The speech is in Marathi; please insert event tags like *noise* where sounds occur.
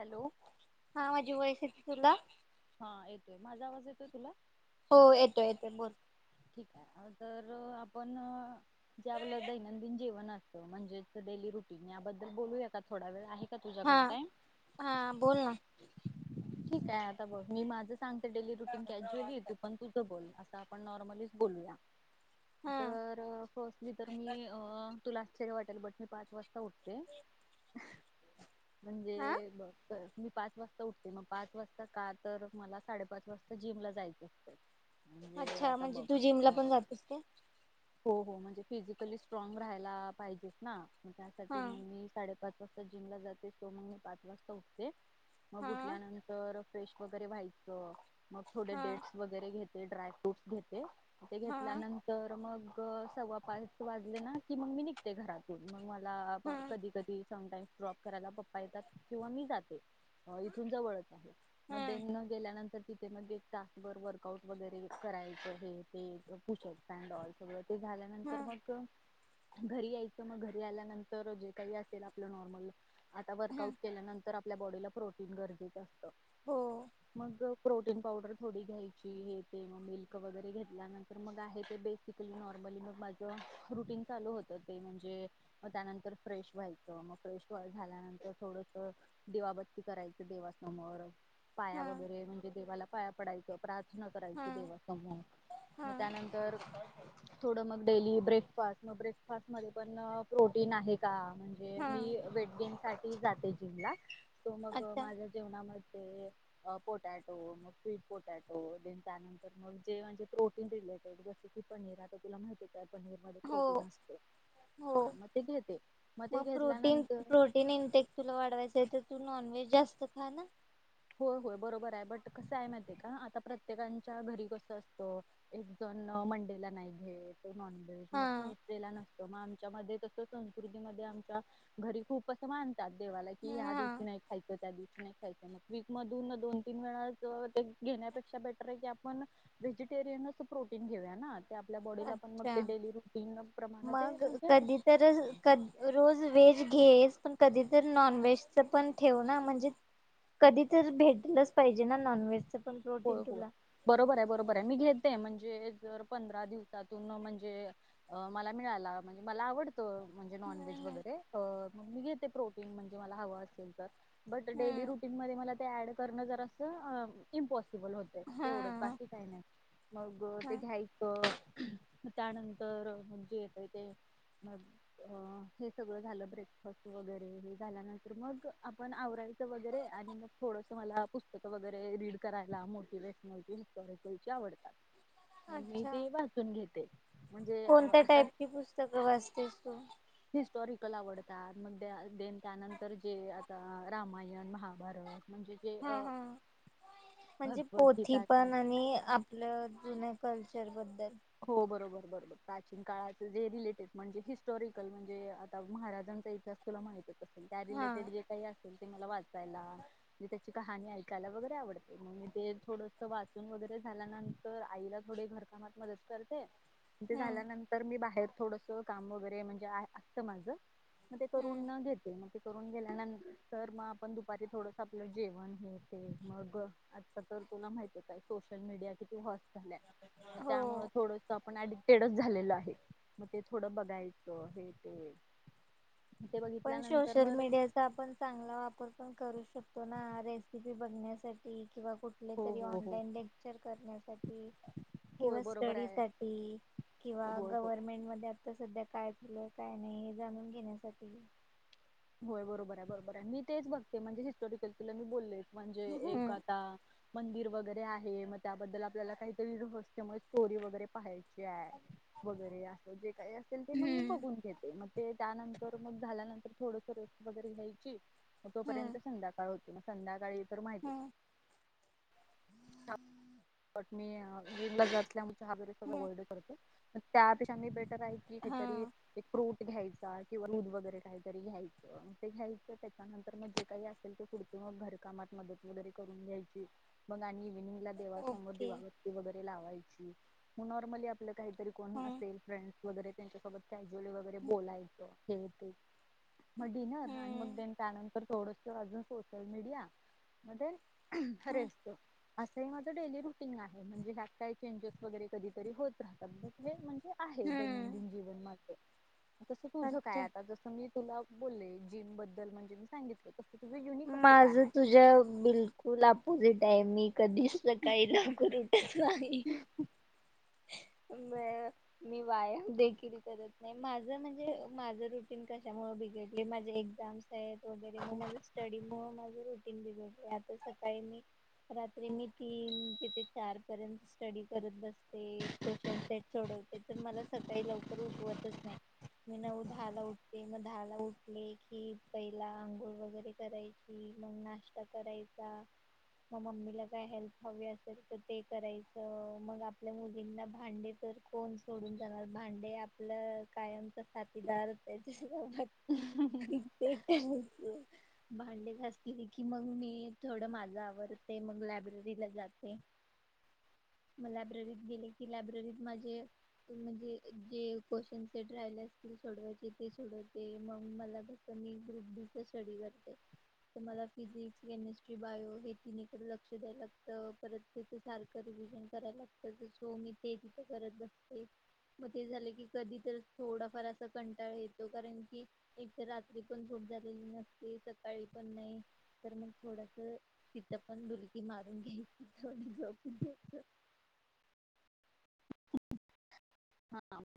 हॅलो हा म्हंजी *unintelligible* तुला हा येतोय माझा आवाज येतोय तुला हो येतो येतोय बोल ठीक आहे तर आपण जे आपलं दैनंदिन जेवण असतं म्हणजेच डेली रुटीन याबद्दल बोलूया का? थोडा वेळ आहे का हा तुझ्याकडे टाइम हा बोल ना ठीक आहे आता बघ मी माझं सांगते डेली रुटीन कॅज्युअलीे आहे तु पण तुझं बोल आपण नॉर्मलीच बोलूया हा. तर फर्स्टली तर मी अ तुला चर वाटेल बट मी पाच वाजता उठते. हा म्हणजे बघ परत पाच वाजता उठ ते मग पाच वाजता का तर मला साडेपाच वाजता जिम ला जायचं असतं. म्हणजे अच्छा आता म्हणजे बघ तू जिम ला अ पण जातीस काय? हो हो म्हणजे फिजिकली स्ट्रॉग राहायला पाहिजेच ना. हा त्यासाठी मग मी साडेपाच वाजता जिमला जाते सो मग मी पाच वाजता उठते. हां तर फ्रेश वगैरे व्हायचं. मग थोडे हा डेटस वगैरे घेत ते ड्राय फ्रूट्स घेते. ते हा घेतल्यानंतर मग तर सव्वा पाच वाजले ना की मग मी निघते घरातून. मग माझ ला हा कधी कधी समटाईम ड्रॉप करायला पप्पा येतात किंवा मी जाते. तिथून जवळच आहे. हा मध्येन गेल्यानंतर तिथे मग एक तासभर वर्कआउट वगैरे करायचं हे ते पुशप स्टॅन्ड ऑल ते हा झाल्यानंतर मग घरी यायचं मग घरी आल्यानंतर जे काही असेल आपलं नॉर्मल आता हा वर्कआउट केल्यानंतर आप आपल्या बॉडीला प्रो ते गरजेच असतं. हो मग प्रोटीन पावडर थोडी घ्यायची हे ते मग मिल्क वगैरे घेतल्यानंतर मग आहे ते बेसिकली नॉर्मली मग माझ रुटीन चालू होतं ते म्हणजे मग त्यानंतर फ्रेश व्हायचं मग फ्रेश झाल्यानंतर थोडस दिवाबत्ती कराय देवासमोर पाया हा वगैरे म्हणजे देवाला पाया पडायचो पण आज प्रार्थना हा करायची देवासमोर. म हा त्यानंतर थोडं मग डेली ब्रेकफास्ट मग ब्रेकफास्ट मध्ये पण प्रोटीन आहे का? म्हणजे हा मी वेटींग साठी जाते जिमला अच्छा माझ्या जेवणाम ते अ पोटॅटो मग स्वीट पोटॅटो, देन त्यानंतर मग जे म्हणजे प्रोटीन रिलेटेड जस कि, पनीर आता तुला माहित त्या पनीर मध्ये हो प्रोटीन असते, हो हा मग ते घेते, मग ते प्रोटीन घेतल्यानंतर प्रोटीन इनटेक तुला वाढवायचं आहे तर तू नॉनव्हेज जास्त खा ना. होय - होय बरोबर आहे, बट कसं आहे माहितीये का, आता प्रत्येकांच्या घरी कसं असतं, एक जण मंडेला नाही घेत, नॉनव्हेज हा मग थर्सडे ला नसतं मग आम आमच्या मध्ये कसं संस्कृतीमध्ये आमच्या, घरी खूप असं माणसं मानतात देवाला ही ह्या हा दिवशी नाही खायचं त्या दिवशी नाही खायचं. खायच नाही. वीक मधून दोन तीन वेळा जर ते घेण्यापेक्षा बेटर आहे की आपण, व्हेजिटेरियनच प्रोटीन घेऊया ना. ते आपल्या बॉडीला पण मग ते अच्छा डेली रुटीन प्रमाणे ते मग म्हणजे कधी तर क रोज वेज घेच पण कधी तर नॉनव्हेज च पण ठेव ना म्हणजे, कधी तर भेटलंच पाहिजे ना नॉनव्हेजच पण प्रोटीन होय - होय तुला बरोबर आहे बरोबर आहे मी घेत ते म्हणजे जर पंधरा दिवसातून म्हणजे, मला मिळाला म्हणजे मला आवड अ म्हणजे नॉन व्हेज हम्म वगैरे मग मी घेते. ते प्रोटीन म्हणजे मला हवं असेल तर. बट डेली रुटीन मध्ये मला ते ऍड करणं जरास अ इम्पॉसिबल पॉसिबल होतेय तेवढंच. हम्म बाकी काही नाही मग हा ते घ्यायचं, त्यानंतर जे येतय ते म हे सगळं झालं ब्रेकफास्ट वगैरे हे झाल्यानंतर मग आपण आवरायचं वगैरे आणि मग थोडस मला पुस्तकं वगैरे रीड कराय ला मोटिवेशनल *unintelligible* आवडतात. हा मी अच्छा ते वाचून घेते. म्हणजे कोणत्या असा टाईपची पुस्तकं वाचतेस तू हिस्टॉरिकल आवडत. *unintelligible* देन त्यानंतर जे आता रामायण, महा बरं म्हणजे जे हा अ हा म्हणजे पोथी पण आणि आपलं जुन कल्चरबद्दल. हो बरोबर - बरोबर प्राचीन काळाच जे रिलेटेड म्हणजे हिस्टॉरिकल म्हणजे आता महाराजांचा इतिहास तुला माहितच असेल. त्या हा रिलेटेड जे काही आहे, मला वाचायला म्हणजे त्याची कहाणी ऐकायला वगैरे आवडते. म्हणजे ते थोडस वाचून वगैरे झाल्यानंतर आईला थोडे घरकामात मदत करते. तेे हम्म झाल्यानंतर मी बाहेर थोडस काम वगैरे म्हणजे आ असतं माझं. मग ते हम्म करून घेते मग. करून गेल्यानंतर मग आपण दुपारी थोडस आपलं जेवण हे ते मग आता तर तुला माहती आहे सोशल मीडिया किती *unintelligible* झाल्या मग हो त्यामुळे, आपण एडिटेड झालेलो आहे. मग ते थोडं बघायचं, हे ते ते पण बघितल्यानंतर सोशल मग मीडियाचा आपण चांगला वापर पण करू शकतो ना रेसिपी बघण्यासाठी किंवा कुठले हो तरी हो हो ऑनलाईन लेक्चर करण्यासाठी होय किंवा बरोबर स्टडी आहे. साठी किंवा होय हो गव्हर्मेंट मध्ये आता सध्या काय केलं काय नाही जाणून घेण्यासाठी होय बरोबर आहे बरोबर आहे मी तेच बघते म्हणजे हिस्टॉरिकल तुला बोललेच म्हणजे एक हम्म आता मंदिर व जरी आहे मग त्याबद्दल आपल्याला काहीतरी रहस्यमय स्टोरी वगैरे पाहायची आहे वगैरे अस जे काय असेल ते मंग मी हम्म बघून घेते मग ते त्यानंतर मग झाल्यानंतर थोडस रेस्ट वगैरे घ्यायची. म तोपर्यंत हम्म संध्याकाळ होत म संध्याकाळी तर माहितीय हम्म *unintelligible* मी जिमला *unintelligible* ल्यामुळ *unintelligible* हम्म सगळं *unintelligible* करते त्या पेक्षा बेट *unintelligible* काही हा तरी *unintelligible* एक फ्रुट घ्यायचा किंवा दूध वगैरे काही तरी घ्यायचं ते घ्यायचं त्याच्यानंतर मग जे काही असेल पुढच घर कामात मदत वगैरे करून घ्यायची मग आणि *unintelligible* देवा समोर ओके दिवाबत्ती वग लावायची म नॉर्मली आपल काही तरी कोण हम्म असेल फ्रेंडस वगैरे त्यांच्यासोबत कॅज्युअली वगैरे बोलायचो हे ते म डिनर आणि मग हम्म देन त्यानंतर थोडंस अजून सोशल मीडिया म देण हरे हम्म असतो. हे माझं डेली रुटीन आहे म्हणजे ह्यात काही चेंजेस वगैरे कधी तरी होत राहतात बट हे म्हण हे आहे हम्म दैनंदिन जीवन माझं तसं तुझं काय अच्छा आता जसं मी तुला बोले जिम बद्दल म्हणजे मी सांगितल माझ तुझ्या बिलकुल अपोजिट *unintelligible* कधीच सकाळी लवकर उठत नाही. ब मी व्यायाम देखील करत नाही माझ म्हणजे माझं रुटीन कशामुळे बिघडलं माझे एक्झाम्स आहेत. वगैरे म माझ स्टडी म माझं रुट तीन दिवस आहे आता सकाळी मी, रात्री मी तीन ते चार, पर्यंत स्टडी करत बस ते क्वेश्चन सेट सोडवते तर मला सकाळी लवकर उठवतच नाही, मी नऊ दहाला उठते मग दहाला उठले कि पहिला आंघोळ वगैरे करायची, मग नाश्ता करायचा मग मम्मीला काय हेल्प हवी असेल तर ते करायचं, मग आप आपल्या मुलींना भांडे तर कोण सोडून जाणार, भांडे आपलं कायमच साथीदारच आहेत. *unintelligible* भांडे घासले की मग मी थोड माझ आवरते मग लायब्ररीला जाते मग लायब्ररी. गेले की लायब्ररीत माझे म्हणजे जे क्वेश्चन सेट राहिले असतील सोडवायचे ते सोडवते, मग मला फक्त मी ग्रुप डी चा स्टडी करते तर मला फिजिक्स केमिस्ट्री बायो हे तिनी कड लक्ष द्यायला लागतं, परत त्याच सारखं रिव्हजन करायला लागत. सो मी ते तिथं करत बसते मग ते झालं की कधी तर थोडाफार असा कंटाळ येतो, कारण कि एक तर रात्री पण झोप झालेली नसते सकाळी पण नाही, तर मग थोडस तिथ पण ढुलकी मारून घ्यायची यायच थोडं झोपन होत. हा